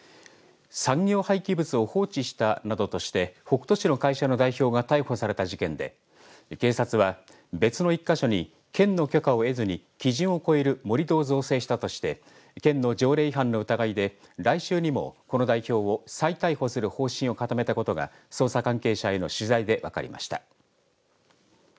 産業廃棄物を放置したなどとして北杜市の会社の代表が逮捕された事件で警察は、別の１か所に県の許可を得ずに基準を超える盛り土を造成したとして県の条例違反の疑いで来週にも、この代表を再逮捕する方針を固めたことが捜査関係者への取材で分かりました。